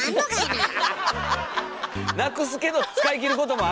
なくすけど使い切ることもあるし！